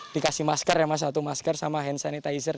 dikasih masker sama hand sanitizer